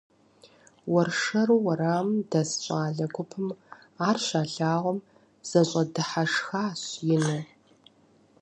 Уэршэру уэрамым дэс щӏалэ гупым ар щалъагъум, зэщӏэдыхьэшхащ ину.